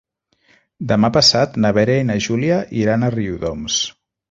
Demà passat na Vera i na Júlia iran a Riudoms.